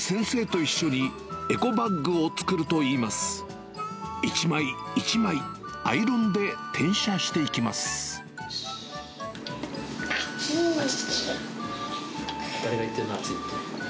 一枚一枚、アイロンで転写していきます。